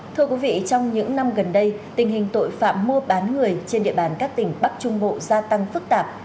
thưa quý vị trong những năm gần đây tình hình tội phạm mua bán người trên địa bàn các tỉnh bắc trung bộ gia tăng phức tạp